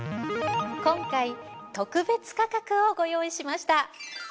今回特別価格をご用意しました。